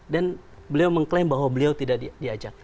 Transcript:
dan beliau mengklaim bahwa beliau tidak diajak